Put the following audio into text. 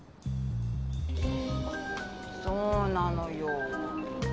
そうなのよ。